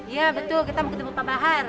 iya betul kita mau ketemu pak bahar